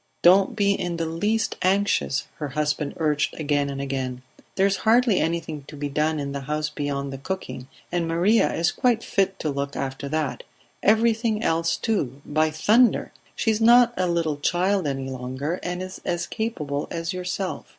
"Don't be in the least anxious," her husband urged again and again. "There is hardly anything to be done in the house beyond the cooking, and Maria is quite fit to look after that everything else too, by thunder! She is not a little child any longer, and is as capable as yourself.